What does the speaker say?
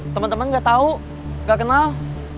teman teman gak tau gak kenal